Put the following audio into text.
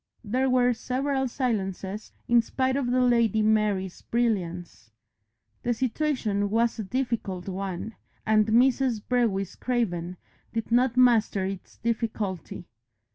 There were several silences in spite of the Lady Mary's brilliance. The situation was a difficult one, and Mrs. Brewis Craven did not master its difficulty.